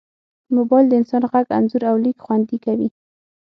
موبایل د انسان غږ، انځور، او لیک خوندي کوي.